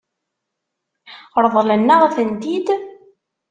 Ṛeḍlen-aɣ-tent-id?